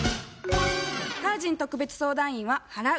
タージン特別相談員は「払う」